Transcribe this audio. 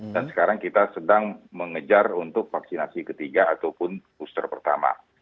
dan sekarang kita sedang mengejar untuk vaksinasi ketiga ataupun puster pertama